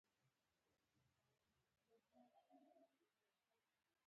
سلام، شالوم، سالم، دا ټول هغه ښکلي الفاظ دي.